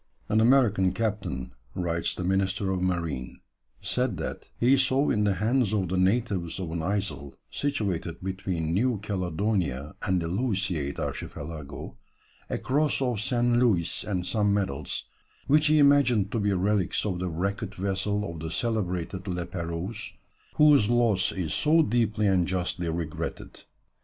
"An American captain," writes the Minister of Marine, "said that he saw in the hands of the natives of an isle situated between New Caledonia and the Louisiade Archipelago a cross of St. Louis and some medals, which he imagined to be relics of the wrecked vessel of the celebrated La Pérouse, whose loss is so deeply and justly regretted.